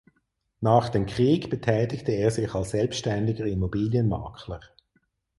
Nach dem Krieg betätigte er sich als selbstständiger Immobilienmakler.